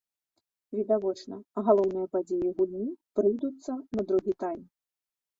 Відавочна, галоўныя падзеі гульні прыйдуцца на другі тайм!